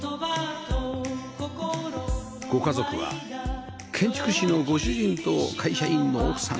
ご家族は建築士のご主人と会社員の奥さん